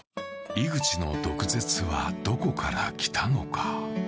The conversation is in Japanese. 井口の毒舌は、どこから来たのか。